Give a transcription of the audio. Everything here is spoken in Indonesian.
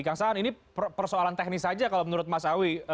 kongsahan ini persoalan teknis saja kalau menurut mas awi